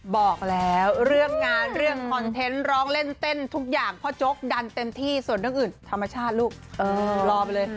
บอกแล้วเรื่องงานเรื่องคอนเทนต์ร้องเล่นเต้นทุกอย่างพ่อโจ๊กดันเต็มที่ส่วนเรื่องอื่นธรรมชาติลูกรอไปเลย